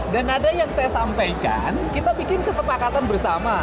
dan ada yang saya sampaikan kita bikin kesepakatan bersama